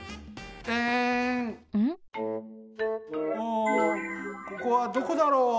あここはどこだろう？